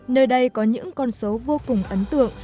nơi đây có những con số vô cùng ấn tượng